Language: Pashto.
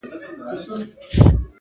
• ددې شعر د یوې برخي ویډیو -